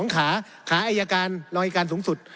ขาขาอายการรองอายการสูงสุด